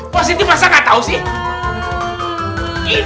positi masa gak tau sih